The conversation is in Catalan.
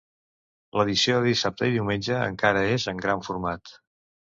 L'edició de dissabte i diumenge encara és en gran format.